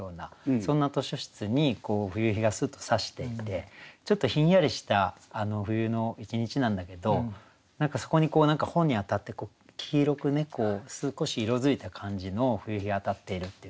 そんな図書室に冬日がスッとさしていてちょっとひんやりした冬の一日なんだけど何かそこに本に当たって黄色く少し色づいた感じの冬日が当たっているっていう。